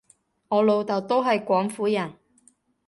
我老豆都係廣府人